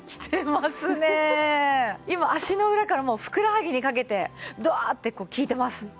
今足の裏からもうふくらはぎにかけてドワーってこう効いてます。